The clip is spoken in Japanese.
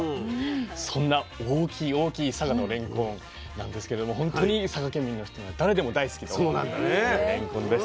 そんな大きい大きい佐賀県のれんこんなんですけども本当に佐賀県民の人なら誰でも大好きというれんこんです。